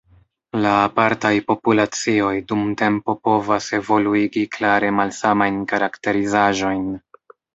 La apartaj populacioj dum tempo povas evoluigi klare malsamajn karakterizaĵojn.